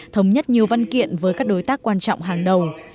thống nhất nhiều văn kiện với các đối tác quan trọng hàng đầu